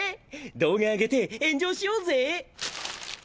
動画上げて炎上しようぜ。